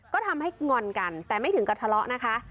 ก็ทำให้งอนกันแต่ไม่ถึงกับทะเลาะนะคะ